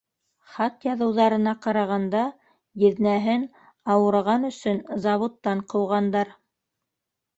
Хат яҙыуҙарына ҡарағанда, еҙнәһен, ауырыған өсөн, заводтан ҡыуғандар.